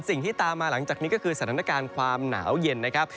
สิ่งที่ตามมาหลังจากนี้ก็คือสถานการณ์ความหนาวเย็นนะครับ